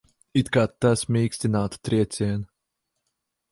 It kā tas mīkstinātu triecienu.